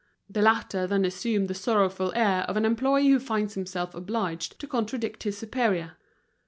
The latter then assumed the sorrowful air of an employee who finds himself obliged to contradict his superior.